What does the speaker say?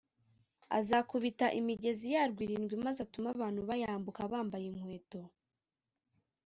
Azakubita imigezi yarwo irindwi maze atume abantu bayambuka bambaye inkweto